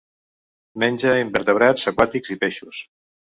Menja invertebrats aquàtics i peixos.